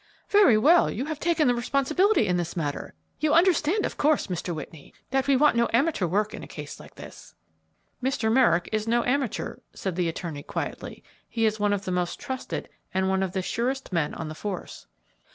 "Very well; you have taken the responsibility in this matter. You understand, of course, Mr. Whitney, that we want no amateur work in a case like this." "Mr. Merrick is no amateur," said the attorney, quietly; "he is one of the most trusted and one of the surest men on the force."